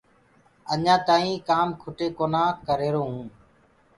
اجآنٚ تآئيٚنٚ ڪآم کٽي ڪونآ ڪرريهرآئونٚ